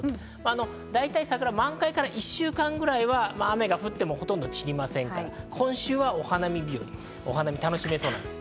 だいたい桜、満開から１週間くらいは雨が降ってもほとんど散りませんから、今週はお花見、楽しめそうです。